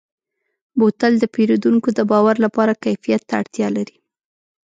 بوتل د پیرودونکو د باور لپاره کیفیت ته اړتیا لري.